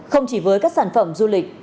không chỉ với các sản phẩm du lịch